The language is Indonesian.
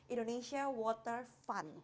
indonesia water fund